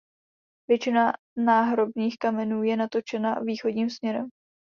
Většina náhrobních kamenů je natočena východním směrem.